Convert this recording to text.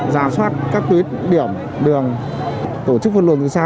giả soát các tuyến điểm đường tổ chức phân luồng từ xa